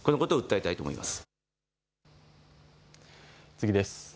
次です。